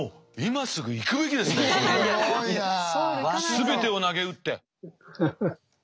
全てをなげうって。